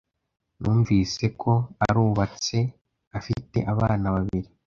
Numvise ko arubatse afite abana babiri.